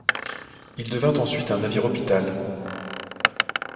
Il devint ensuite un navire-hôpital.